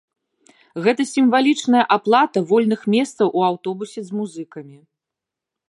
Гэта сімвалічная аплата вольных месцаў у аўтобусе з музыкамі.